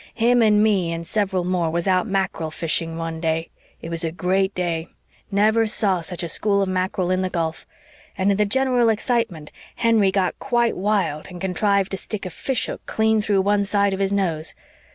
Him and me and several more was out mackerel fishing one day. It was a great day never saw such a school of mackerel in the gulf and in the general excitement Henry got quite wild and contrived to stick a fish hook clean through one side of his nose.